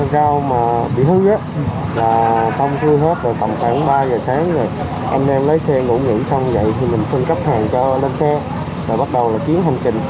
giá rau củ giao động từ một mươi tám ba mươi ba đồng một kg